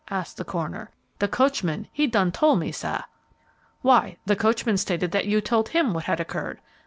asked the coroner. "De coachman, he done tole me, sah." "Why, the coachman stated that you told him what had occurred."